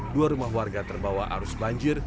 dua rumah warga terbawa arus banjir